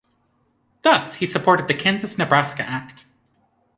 Thus, he supported the Kansas-Nebraska Act.